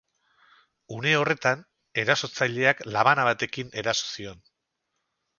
Une horretan, erasotzaileak labana batekin eraso zion.